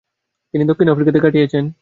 তিনি দক্ষিণ আফ্রিকাতে কাটিয়েছেন।